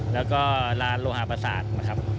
แล้วก็ร้านโลหาประสาทนะครับ